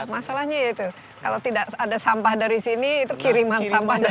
masalahnya itu kalau tidak ada sampah dari sini itu kiriman sampah dari